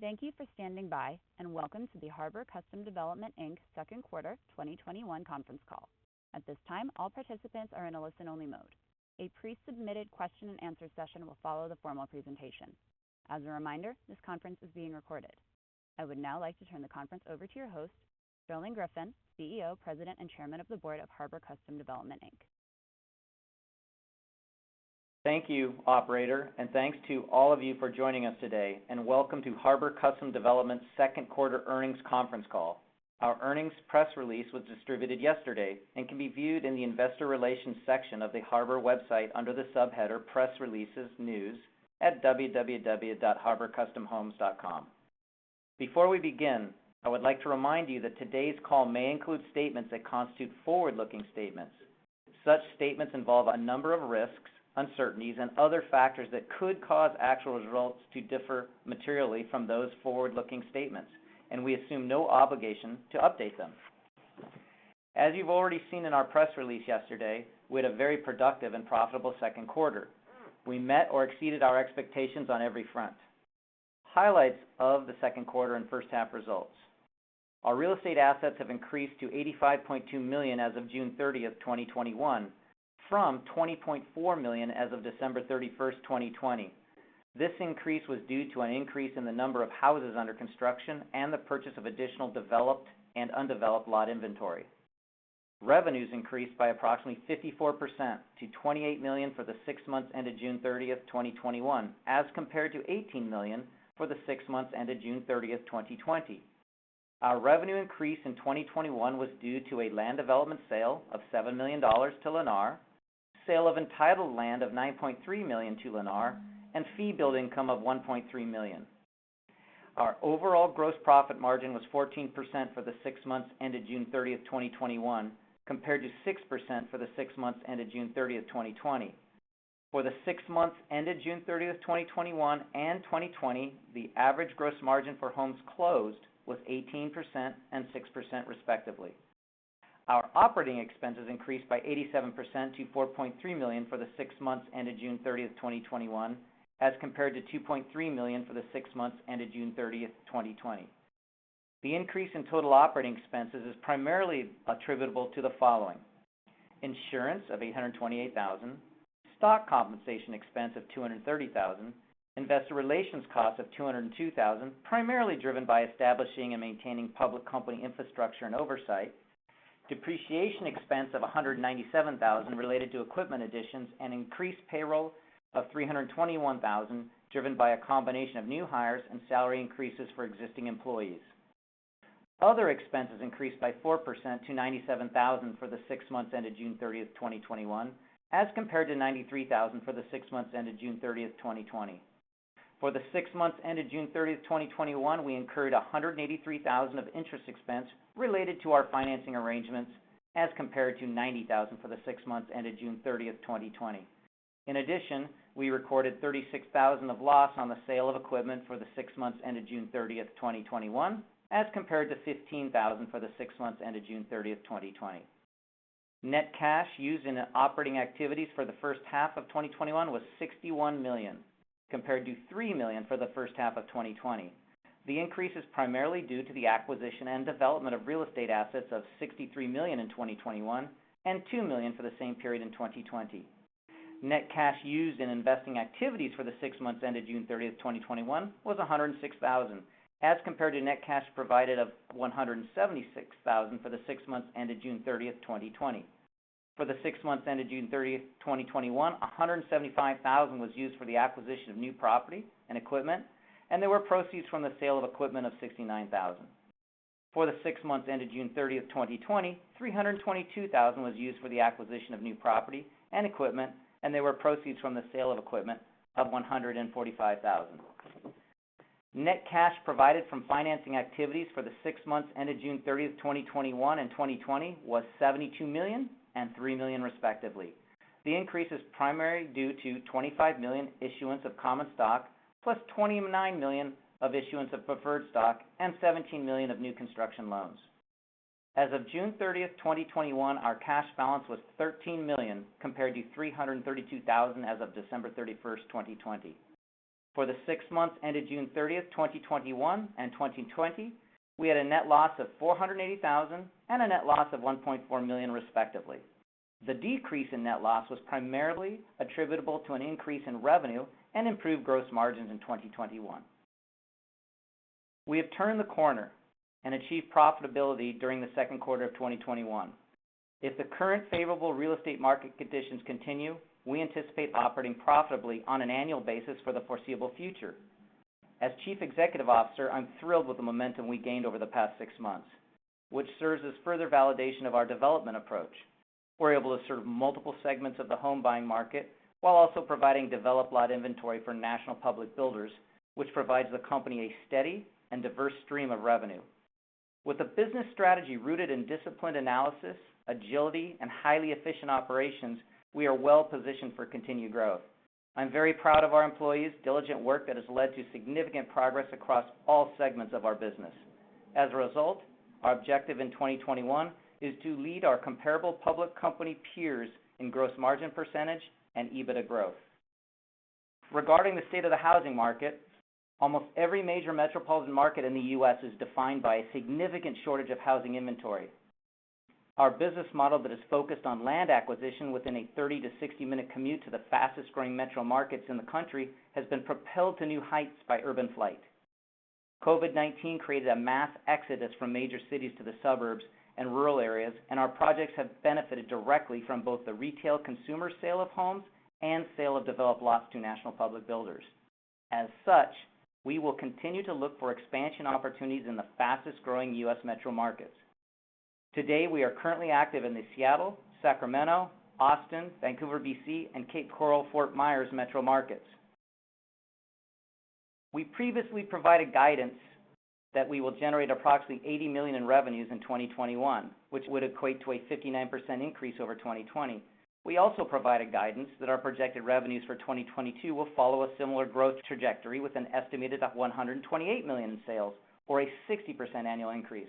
Thank you for standing by, and welcome to the Harbor Custom Development, Inc. second quarter 2021 conference call. At this time, all participants are in a listen-only mode. A pre-submitted question-and-answer session will follow the formal presentation. As a reminder, this conference is being recorded. I would now like to turn the conference over to your host, Sterling Griffin, CEO, President, and Chairman of the Board of Harbor Custom Development, Inc. Thank you, operator, and thanks to all of you for joining us today, and welcome to Harbor Custom Development's second quarter earnings conference call. Our earnings press release was distributed yesterday and can be viewed in the investor relations section of the Harbor website under the subheader Press Releases, News at www.harborcustomhomes.com. Before we begin, I would like to remind you that today's call may include statements that constitute forward-looking statements. Such statements involve a number of risks, uncertainties, and other factors that could cause actual results to differ materially from those forward-looking statements, and we assume no obligation to update them. As you've already seen in our press release yesterday, we had a very productive and profitable second quarter. We met or exceeded our expectations on every front. Highlights of the second quarter and first-half results. Our real estate assets have increased to $85.2 million as of June 30th, 2021, from $20.4 million as of December 31st, 2020. This increase was due to an increase in the number of houses under construction and the purchase of additional developed and undeveloped lot inventory. Revenues increased by approximately 54% to $28 million for the six months ended June 30th, 2021, as compared to $18 million for the six months ended June 30th, 2020. Our revenue increase in 2021 was due to a land development sale of $7 million to Lennar, sale of entitled land of $9.3 million to Lennar, and fee build income of $1.3 million. Our overall gross profit margin was 14% for the six months ended June 30th, 2021, compared to 6% for the six months ended June 30th, 2020. For the six months ended June 30th, 2021, and 2020, the average gross margin for homes closed was 18% and 6%, respectively. Our operating expenses increased by 87% to $4.3 million for the six months ended June 30th, 2021, as compared to $2.3 million for the six months ended June 30th, 2020. The increase in total operating expenses is primarily attributable to the following: insurance of $828,000, stock compensation expense of $230,000, investor relations cost of $202,000, primarily driven by establishing and maintaining public company infrastructure and oversight, depreciation expense of $197,000 related to equipment additions, and increased payroll of $321,000, driven by a combination of new hires and salary increases for existing employees. Other expenses increased by 4% to $97,000 for the six months ended June 30th, 2021, as compared to $93,000 for the six months ended June 30th, 2020. For the six months ended June 30th, 2021, we incurred $183,000 of interest expense related to our financing arrangements, as compared to $90,000 for the six months ended June 30th, 2020. In addition, we recorded $36,000 of loss on the sale of equipment for the six months ended June 30th, 2021, as compared to $15,000 for the six months ended June 30th, 2020. Net cash used in operating activities for the first half of 2021 was $61 million, compared to $3 million for the first half of 2020. The increase is primarily due to the acquisition and development of real estate assets of $63 million in 2021 and $2 million for the same period in 2020. Net cash used in investing activities for the six months ended June 30th, 2021, was $106,000, as compared to net cash provided of $176,000 for the six months ended June 30th, 2020. For the six months ended June 30th, 2021, $175,000 was used for the acquisition of new property and equipment, and there were proceeds from the sale of equipment of $69,000. For the six months ended June 30th, 2020, $322,000 was used for the acquisition of new property and equipment, and there were proceeds from the sale of equipment of $145,000. Net cash provided from financing activities for the six months ended June 30th, 2021, and 2020 was $72 million and $3 million, respectively. The increase is primarily due to $25 million issuance of common stock, plus $29 million of issuance of preferred stock and $17 million of new construction loans. As of June 30th, 2021, our cash balance was $13 million, compared to $332,000 as of December 31st, 2020. For the six months ended June 30th, 2021, and 2020, we had a net loss of $480,000 and a net loss of $1.4 million, respectively. The decrease in net loss was primarily attributable to an increase in revenue and improved gross margins in 2021. We have turned the corner and achieved profitability during the second quarter of 2021. If the current favorable real estate market conditions continue, we anticipate operating profitably on an annual basis for the foreseeable future. As Chief Executive Officer, I'm thrilled with the momentum we gained over the past six months, which serves as further validation of our development approach. We're able to serve multiple segments of the home buying market while also providing developed lot inventory for national public builders, which provides the company a steady and diverse stream of revenue. With a business strategy rooted in disciplined analysis, agility, and highly efficient operations, we are well positioned for continued growth. I'm very proud of our employees' diligent work that has led to significant progress across all segments of our business. As a result, our objective in 2021 is to lead our comparable public company peers in gross margin percentage and EBITDA growth. Regarding the state of the housing market, almost every major metropolitan market in the U.S. is defined by a significant shortage of housing inventory. Our business model that is focused on land acquisition within a 30-60 minute commute to the fastest-growing metro markets in the country has been propelled to new heights by urban flight. COVID-19 created a mass exodus from major cities to the suburbs and rural areas. Our projects have benefited directly from both the retail consumer sale of homes and sale of developed lots to national public builders. We will continue to look for expansion opportunities in the fastest-growing U.S. metro markets. Today, we are currently active in the Seattle, Sacramento, Austin, Vancouver B.C., and Cape Coral-Fort Myers metro markets. We previously provided guidance that we will generate approximately $80 million in revenues in 2021, which would equate to a 59% increase over 2020. We also provided guidance that our projected revenues for 2022 will follow a similar growth trajectory, with an estimated $128 million in sales, or a 60% annual increase.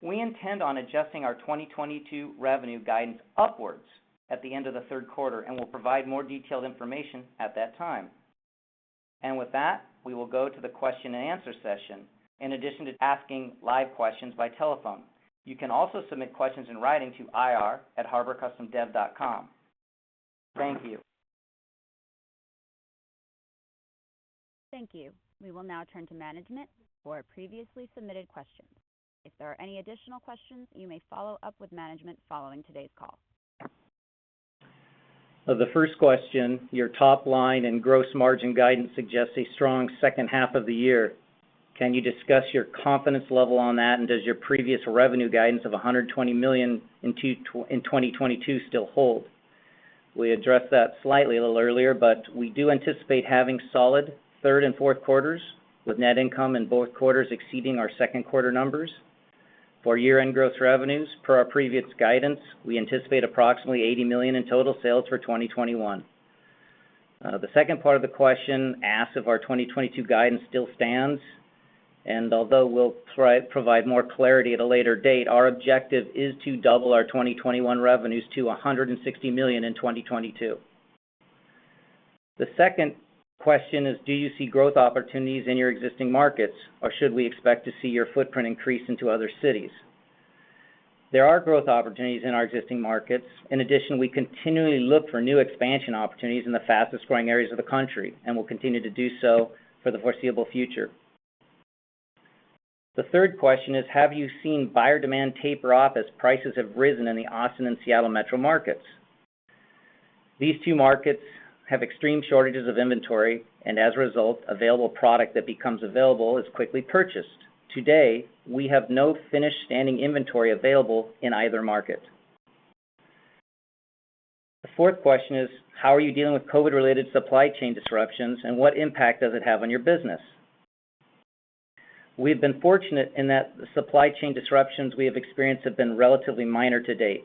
We intend on adjusting our 2022 revenue guidance upwards at the end of the third quarter, and we'll provide more detailed information at that time. With that, we will go to the question and answer session. In addition to asking live questions by telephone, you can also submit questions in writing to ir@harborcustomdev.com. Thank you. Thank you. We will now turn to management for previously submitted questions. If there are any additional questions, you may follow up with management following today's call. The first question, your top line and gross margin guidance, suggests a strong second half of the year. Does your previous revenue guidance of $120 million in 2022 still hold? We addressed that slightly a little earlier, we do anticipate having solid third and fourth quarters, with net income in both quarters exceeding our second quarter numbers. For year-end growth revenues, per our previous guidance, we anticipate approximately $80 million in total sales for 2021. The second part of the question asks if our 2022 guidance still stands. Although we'll provide more clarity at a later date, our objective is to double our 2021 revenues to $160 million in 2022. The second question is, do you see growth opportunities in your existing markets, or should we expect to see your footprint increase into other cities? There are growth opportunities in our existing markets. In addition, we continually look for new expansion opportunities in the fastest-growing areas of the country and will continue to do so for the foreseeable future. The third question is, have you seen buyer demand taper off as prices have risen in the Austin and Seattle metro markets? These two markets have extreme shortages of inventory, and as a result, available product that becomes available is quickly purchased. Today, we have no finished standing inventory available in either market. The fourth question is, how are you dealing with COVID-related supply chain disruptions, and what impact does it have on your business? We've been fortunate in that the supply chain disruptions we have experienced have been relatively minor to date.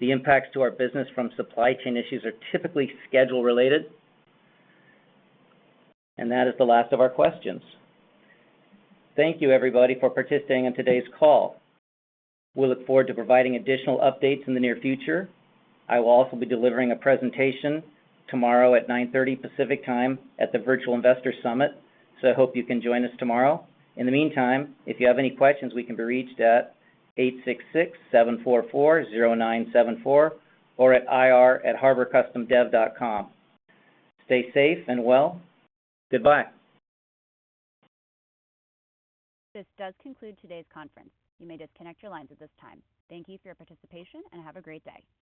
The impacts to our business from supply chain issues are typically schedule-related. That is the last of our questions. Thank you, everybody, for participating in today's call. We look forward to providing additional updates in the near future. I will also be delivering a presentation tomorrow at 9:30 AM Pacific Time at the Virtual Investor Summit, so I hope you can join us tomorrow. In the meantime, if you have any questions, we can be reached at 866-744-0974 or at ir@harborcustomdev.com. Stay safe and well. Goodbye. This does conclude today's conference. You may disconnect your lines at this time. Thank you for your participation, and have a great day.